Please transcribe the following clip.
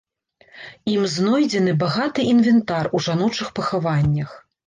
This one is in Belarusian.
Ім знойдзены багаты інвентар у жаночых пахаваннях.